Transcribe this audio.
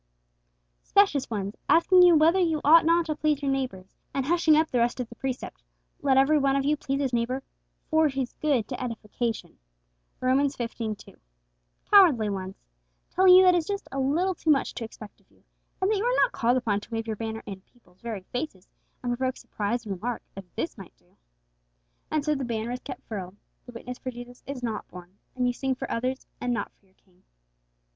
Specious ones asking whether you ought not to please your neighbours, and hushing up the rest of the precept, 'Let every one of you please his neighbour for his good to edification' (Rom. xv. 2). Cowardly ones telling you that it is just a little too much to expect of you, and that you are not called upon to wave your banner in people's very faces, and provoke surprise and remark, as this might do. And so the banner is kept furled, the witness for Jesus is not borne, and you sing for others and not for your King.